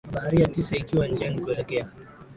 mabaharia tisa ikiwa njiani kuelekea